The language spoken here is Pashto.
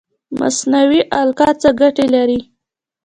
مصنوعي القاح څه ګټه لري؟